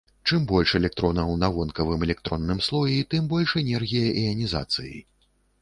Чым больш электронаў на вонкавым электронным слоі, тым больш энергія іанізацыі.